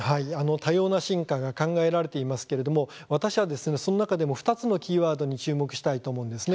多様な進化が考えられていますけれども私はその中でも２つのキーワードに注目したいと思います。